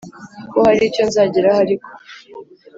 ko haricyo nzageraho ariko